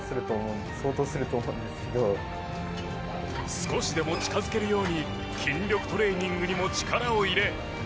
少しでも近づけるように筋力トレーニングにも力を入れ。